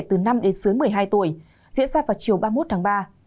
từ năm đến dưới một mươi hai tuổi diễn ra vào chiều ba mươi một tháng ba